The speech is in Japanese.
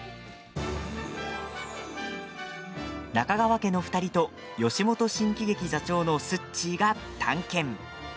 中川家の２人と吉本新喜劇座長のすっちーが探検。